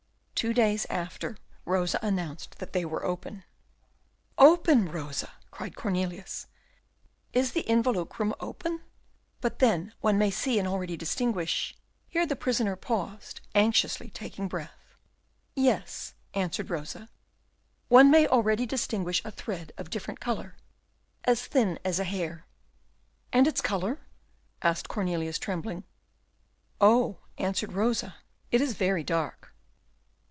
Two days after Rosa announced that they were open. "Open, Rosa!" cried Cornelius. "Is the involucrum open? but then one may see and already distinguish " Here the prisoner paused, anxiously taking breath. "Yes," answered Rosa, "one may already distinguish a thread of different colour, as thin as a hair." "And its colour?" asked Cornelius, trembling. "Oh," answered Rosa, "it is very dark!"